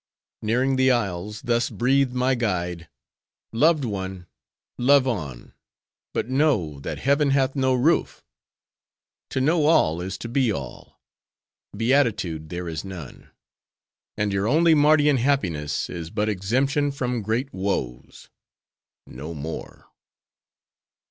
"Nearing the isles, thus breathed my guide:—'Loved one, love on! But know, that heaven hath no roof. To know all is to be all. Beatitude there is none. And your only Mardian happiness is but exemption from great woes—no more.